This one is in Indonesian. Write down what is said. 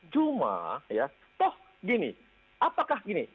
cuma ya toh gini apakah gini